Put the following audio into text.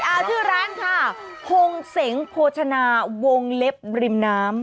เอาชื่อร้านค่ะพงเสงโภชนาวงเล็บริมน้ำ